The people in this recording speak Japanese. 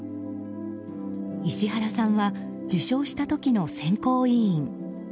石原さんは受賞した時の選考委員。